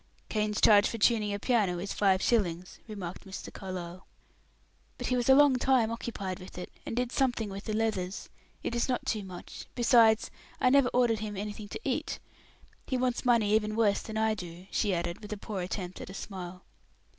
"Kane's charge for tuning a piano is five shillings," remarked Mr. Carlyle. "But he was a long time occupied with it, and did something with the leathers. It is not too much; besides I never ordered him anything to eat. He wants money even worse than I do," she added, with a poor attempt at a smile.